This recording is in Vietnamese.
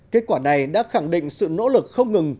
kết quả này đã khẳng định sự nỗ lực không ngừng